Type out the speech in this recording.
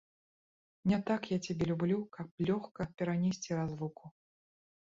Не так я цябе люблю, каб лёгка перанесці разлуку.